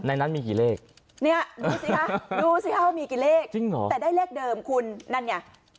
นั้นมีกี่เลขเนี่ยดูสิคะดูสิคะว่ามีกี่เลขจริงเหรอแต่ได้เลขเดิมคุณนั่นไง